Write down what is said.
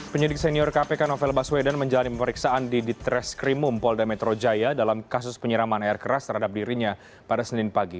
penyidik senior kpk novel baswedan menjalani pemeriksaan di ditreskrimum polda metro jaya dalam kasus penyiraman air keras terhadap dirinya pada senin pagi